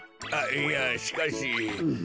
いやしかし。